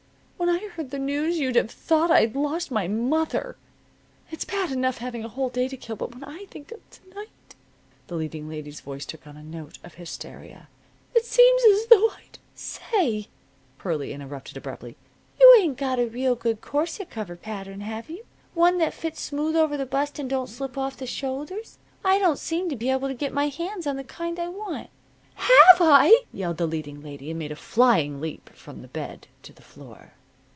When I heard the news you'd have thought I had lost my mother. It's bad enough having a whole day to kill but when I think of to night," the leading lady's voice took on a note of hysteria, "it seems as though I'd " "Say," Pearlie interrupted, abruptly, "you ain't got a real good corset cover pattern, have you? One that fits smooth over the bust and don't slip off the shoulders? I don't seem able to get my hands on the kind I want." "Have I!" yelled the leading lady. And made a flying leap from the bed to the floor.